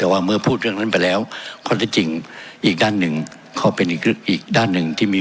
ว่าไม่เกิดประโยชน์ครับต่อประทานครับ